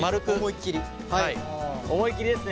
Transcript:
思いっきりですね。